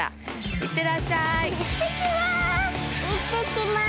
いってきます。